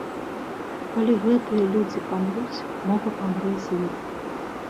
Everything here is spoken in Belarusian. Калі гэтыя людзі памруць, мова памрэ з імі.